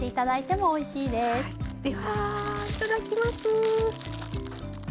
ではいただきます。